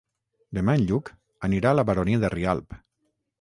Demà en Lluc anirà a la Baronia de Rialb.